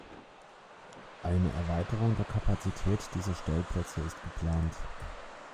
Eine Erweiterung der Kapazität dieser Stellplätze ist geplant.